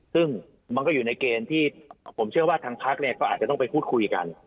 ซึ่งก็อยู่ในเกณฑ์ที่ผมเชื่อว่าทางพลักษณ์ก็อาจจะต้องคุดคุยกัน